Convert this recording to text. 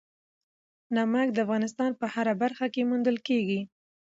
نمک د افغانستان په هره برخه کې موندل کېږي.